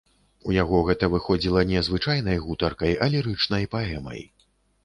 У яго гэта выходзіла не звычайнай гутаркай, а лірычнай паэмай.